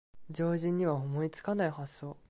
常人には思いつかない発想